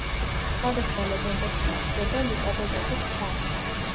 სხვადასხვა ლეგენდებში გვხვდება ლიკაბეტოსის მთა.